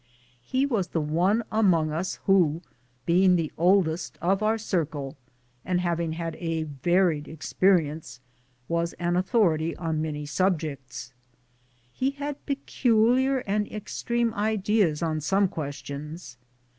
He was the one among us who, being the oldest of our circle, and hav 28 BOOTS AND SADDLES. ing had a varied experience, was an authority on many subjects. He had peculiar and extreme ideas on some questions.